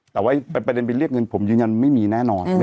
แต่ว่าประเด็นไปเรียกเงินผมยืนยันไม่มีแน่นอน